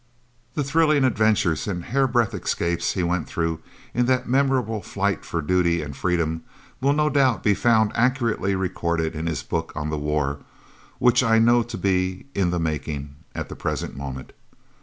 The thrilling adventures and hairbreadth escapes he went through in that memorable flight for duty and freedom will no doubt be found accurately recorded in his book on the war, which I know to be "in the making" at the present moment.